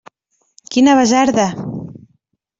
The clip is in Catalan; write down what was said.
Quina basarda!